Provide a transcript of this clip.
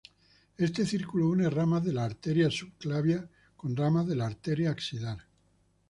Este círculo une ramas de la arteria subclavia con ramas de la arteria axilar.